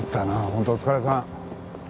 本当お疲れさん。